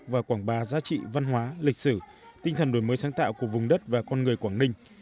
và quảng bá giá trị văn hóa lịch sử tinh thần đổi mới sáng tạo của vùng đất và con người quảng ninh